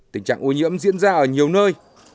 tình trạng ô nhiễm diễn ra ở nhiều nơi